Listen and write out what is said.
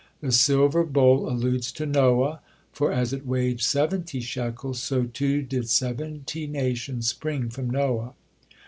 The silver bowl alludes to Noah, for, as it weighed seventy shekels, so too did seventy nations spring from Noah.